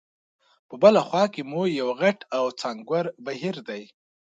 په بله خوا کې مو یو غټ او څانګور بهیر دی.